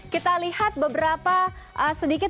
kita lihat beberapa sedikit